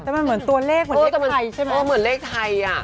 แต่มันเหมือนตัวเลขเหมือนเลขไทยใช่มั้ยเหมือนเลขไทยอ่ะ